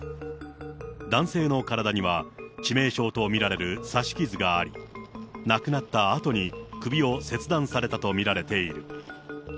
男性の体には、致命傷と見られる刺し傷があり、亡くなったあとに首を切断されたと見られている。